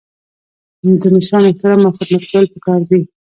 د مشرانو احترام او خدمت کول پکار دي.